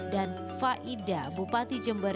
dan fah ida bupati jember